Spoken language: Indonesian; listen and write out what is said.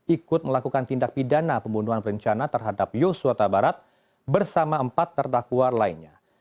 ikut melakukan tindak pidana pembunuhan berencana terhadap yosua tabarat bersama empat terdakwa lainnya